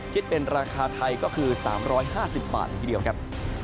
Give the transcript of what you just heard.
คิดเป็นราคาไทยก็คือ๓๕๐บาทเลยทีเดียวครับ